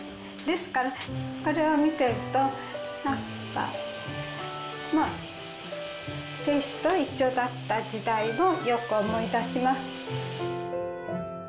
ですから、これを見ていると、なんかまあ亭主と一緒だった時代をよく思い出します。